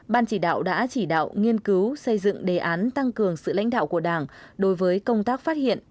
ban chỉ đạo đã chỉ đạo nghiên cứu xây dựng đề án tăng cường sự lãnh đạo của đảng đối với công tác phát hiện